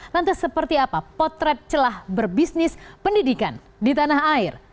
lantas seperti apa potret celah berbisnis pendidikan di tanah air